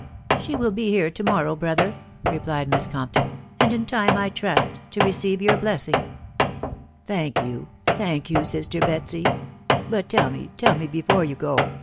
" She will be here tomorrow, 'bestber/' replied Miss Compton ,' tand m .tinte, It tsntt, fcrroceive 'your 'Messing. ".Thank you, thank you, raster <Betsy ;•... /but tell me, tell me before you go